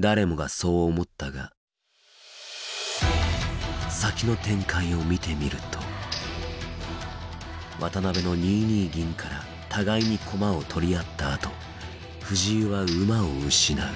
誰もがそう思ったが先の展開を見てみると渡辺の２二銀から互いに駒を取り合ったあと藤井は馬を失う。